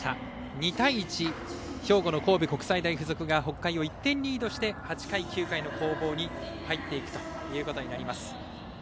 ２対１と兵庫の神戸国際大付属が北海を１点リードして８回、９回の攻防に入っていくことになります。